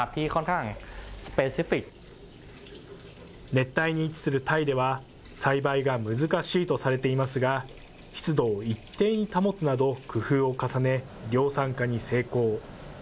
熱帯に位置するタイでは、栽培が難しいとされていますが、湿度を一定に保つなど工夫を重ね、量産化に成功。